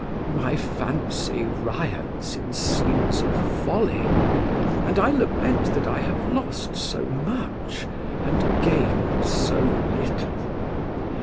My fancy riots in scenes of folly, and I lament that I have lost so much, and have gained so little.